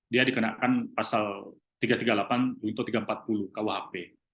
dia dikenakan pasal tiga ratus tiga puluh delapan junto tiga ratus empat puluh kuhp